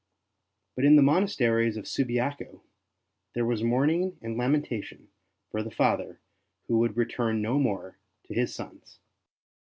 But in the monasteries of Subiaco there was mourning and lamentation for the Father who would return no more to his sons.